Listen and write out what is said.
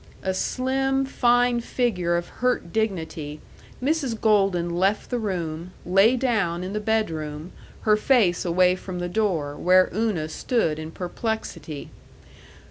A slim, fine figure of hurt dignity, Mrs. Golden left the room, lay down in the bedroom, her face away from the door where Una stood in perplexity.